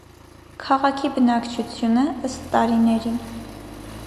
Քաղաքի բնակչությունը՝ ըստ տարիների։